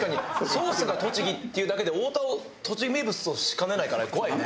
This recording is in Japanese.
ソースが栃木っていうだけで太田を栃木名物としかねないから怖いね。